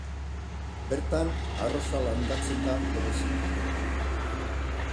Bertan, arroza landatzen da bereziki.